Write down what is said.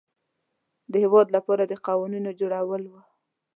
د هیواد لپاره د قوانینو جوړول وه.